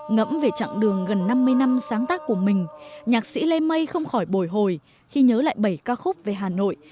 ngẫm về chặng đường gần năm mươi năm sáng tác của mình nhạc sĩ lê mây không khỏi bồi hồi khi nhớ lại bảy ca khúc về hà nội